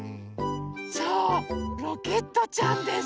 そうロケットちゃんです！